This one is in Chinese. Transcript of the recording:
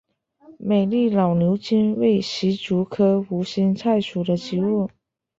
美丽老牛筋为石竹科无心菜属的植物。